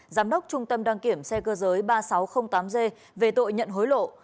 giám đốc trung tâm đăng kiểm xe cơ giới ba nghìn sáu trăm linh tám g về tội nhận hối lộ